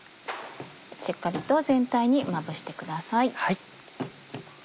しっかりと全体にまぶしてください。